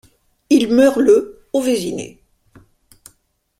Il meurt le au Vésinet.